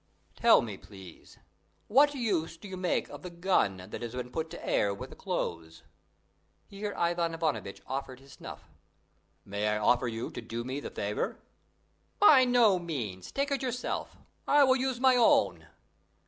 "Tell me, please, what use do you make of the gun that has been put to air with the clothes?" Here Ivan Ivanovitch offered his snuff. "May I ask you to do me the favour?" "By no means! take it yourself; I will use my own."